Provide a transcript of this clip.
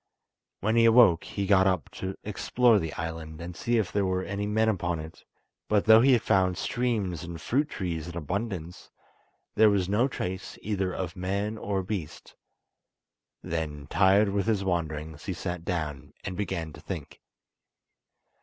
When he awoke he got up to explore the island, and see if there were any men upon it; but though he found streams and fruit trees in abundance, there was no trace either of man or beast. Then, tired with his wanderings he sat down and began to think.